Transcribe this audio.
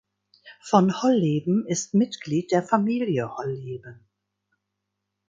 Von Holleben ist Mitglied der Familie Holleben.